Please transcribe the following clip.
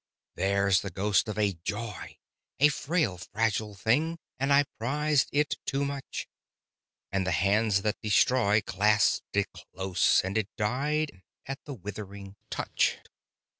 There's the ghost of a Joy, A frail, fragile thing, and I prized it too much, And the hands that destroy Clasped it close, and it died at the withering touch.